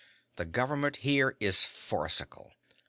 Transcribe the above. The government here is farcical.